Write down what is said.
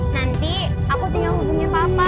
nanti aku tinggal hubungin papa